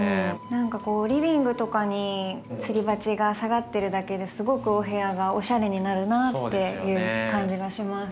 何かこうリビングとかにつり鉢が下がってるだけですごくお部屋がおしゃれになるなっていう感じがします。